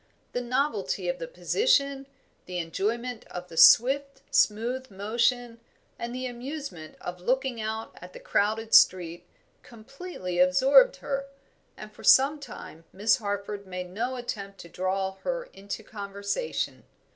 The novelty of the position, the enjoyment of the swift, smooth motion, and the amusement of looking out at the crowded street, completely absorbed her, and for some time Miss Harford made no attempt to draw her into conversation.